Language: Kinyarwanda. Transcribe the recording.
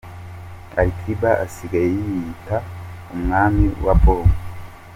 Ali Kiba asigaye yiyita umwami wa Bongo.